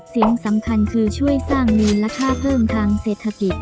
สิ่งสำคัญคือช่วยสร้างมูลค่าเพิ่มทางเศรษฐกิจ